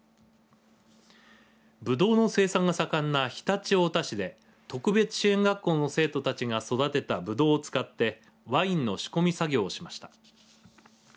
ぶどうの生産が盛んな常陸太田市で特別支援学校の生徒たちが育てたぶどうを使ってワインの仕込み作業をしました。